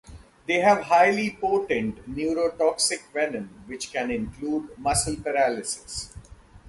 They have highly potent neurotoxic venom which can induce muscle paralysis.